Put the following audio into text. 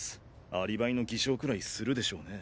アリバイの偽証くらいするでしょうね。